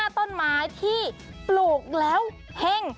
ต้นไม้ที่ปลูกแล้วเห็ง